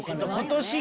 今年⁉